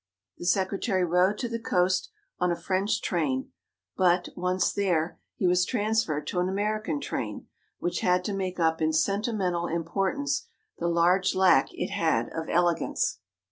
The secretary rode to the coast on a French train, but, once there, he was transferred to an American train, which had to make up in sentimental importance the large lack it had of elegance.